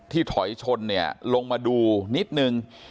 ถอยชนเนี่ยลงมาดูนิดนึง